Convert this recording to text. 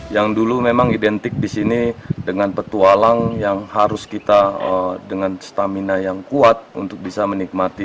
yang dulu memang identik di sini dengan petualang yang harus kita dengan stamina yang kuat untuk bisa menikmati